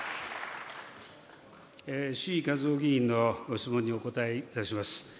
志位和夫議員のご質問にお答えいたします。